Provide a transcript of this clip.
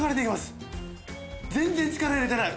全然力入れてない。